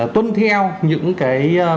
tuân theo những cái